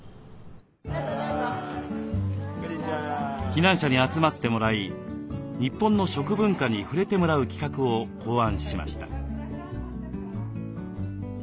避難者に集まってもらい日本の食文化に触れてもらう企画を考案しました。